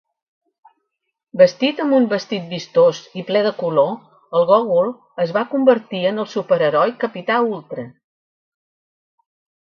Vestit amb un vestit vistós i ple de color, el Gogol es va convertir en el superheroi Capità Ultra.